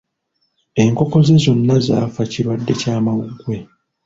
Enkoko ze zonna zaafa kirwadde ky'amawuggwe.